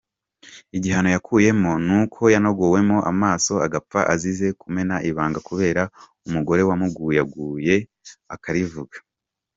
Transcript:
Igihano yakuyemo ni uko yanogowemo amaso agapfa azize kumena ibanga kubera umugore wamuguyaguye akarivuga.